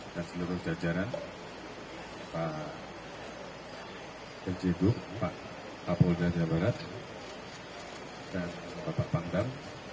dan seluruh jajaran pak kejidup pak kapol dari barat dan pak pak pangdam